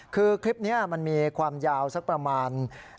คือคลิปนี้มันมีความยาวสักประมาณ